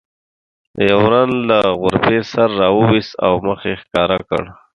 یو رند له غرفې سر راوویست او مخ یې ښکاره کړ.